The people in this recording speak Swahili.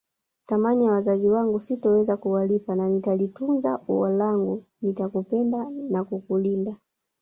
Thamani ya wazazi wangu sitoweza kuwalipa na nitalitunza ua langu nitakupenda na kukulinda